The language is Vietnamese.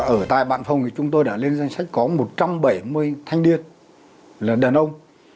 ở tại bạn phòng thì chúng tôi đã lên danh sách có một trăm bảy mươi thanh niên là đàn ông